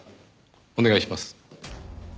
お願いします。